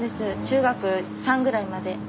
中学３ぐらいまで。